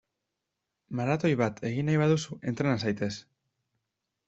Maratoi bat egin nahi baduzu, entrena zaitez!